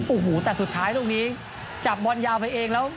โอ้โหแต่สุดท้ายลูกนี้จับบอลยาวไปเองแล้ว